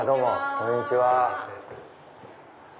こんにちは。